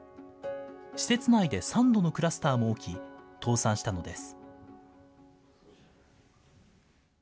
施設内で３度のクラスターも起き、倒産したのです。